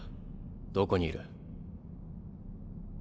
どこにいる？